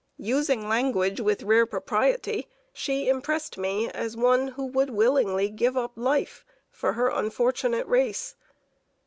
Using language with rare propriety, she impressed me as one who would willingly give up life for her unfortunate race.